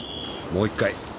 もう一回。